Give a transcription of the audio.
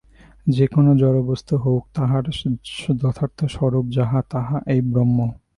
যে-কোন জড়বস্তু হউক, তাহার যথার্থ স্বরূপ যাহা, তাহা এই ব্রহ্ম।